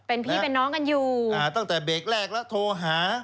เป็นพี่เป็นน้องกันอยู่อ่าตั้งแต่เบรกแรกแล้วโทรหา